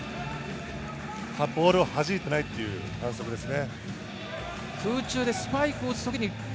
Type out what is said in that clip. ボールをはじいていないという反則ですね。